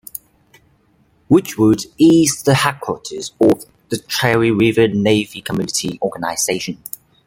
Richwood is the headquarters of the Cherry River Navy community organization.